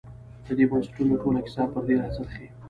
د دې بنسټونو ټوله کیسه پر دې راڅرخي.